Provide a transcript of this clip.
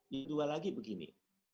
yang kedua lagi begini